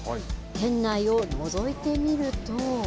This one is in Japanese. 店内をのぞいてみると。